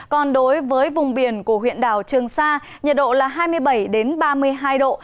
còn đối với vùng biển của huyện đảo trường sa nhiệt độ là hai mươi bảy ba mươi hai độ